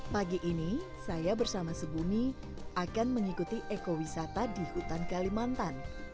pagi ini saya bersama sebumi akan mengikuti ekowisata di hutan kalimantan